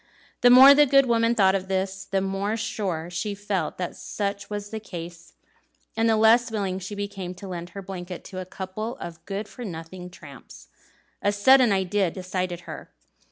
The more the good woman thought of this, the more sure she felt that such was the case, and the less willing she became to lend her blanket to "a couple of good for nothing tramps." A sudden idea decided her.